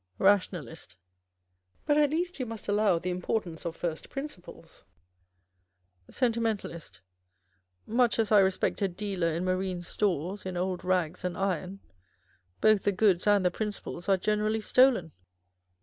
Rationalist. But at least you must allow the import ance of first principles ? Sentimentalist. Much as I respect a dealer in marine stores, in old rags and iron : both the goods and the principles are generally stolen.